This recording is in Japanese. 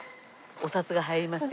お札が入りました。